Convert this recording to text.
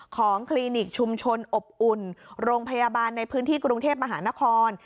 คลินิกชุมชนอบอุ่นโรงพยาบาลในพื้นที่กรุงเทพมหานคร